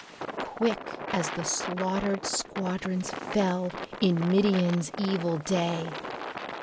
"'Quick as the slaughtered squadrons fell In Midian's evil day.